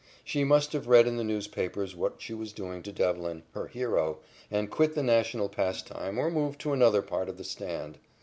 She must have read in the newspapers what she was doing to Devlin, her hero, and quit the national pastime or moved to another part of the stand.